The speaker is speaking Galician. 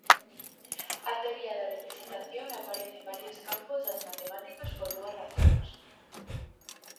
A teoría da representación aparece en varios campos das matemáticas por dúas razóns.